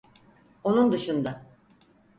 Onun dışında.